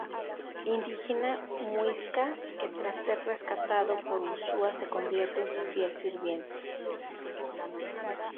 Indígena muisca que tras ser rescatado por Ursúa se convierte en su fiel sirviente.